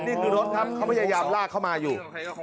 นี่คือรถครับเขาพยายามลากเข้ามาอยู่